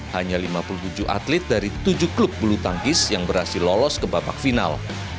hanya lima puluh tujuh atlet dari tujuh klub bulu tangkis yang berhasil lolos ke babak final